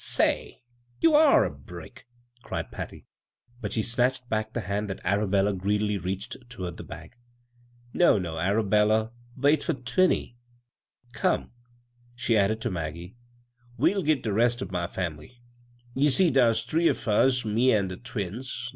" Say, you are a brick," cried Patty; but she snatched back the hand that Arabella greedily reached toward the bag. " No, no, Arabella, wait for twinnie! Come," she added to Maggie, " we'll git de rest o' my fam'ly, Ye see dar's three of us, me an' de twins.